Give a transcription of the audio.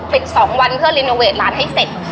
๒วันเพื่อรีโนเวทร้านให้เสร็จ